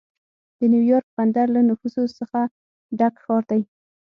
د نیویارک بندر له نفوسو څخه ډک ښار دی.